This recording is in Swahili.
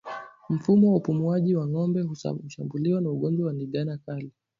Mfumo wa upumuaji wa ngombe hushambuliwa na ugonjwa wa ndigana kali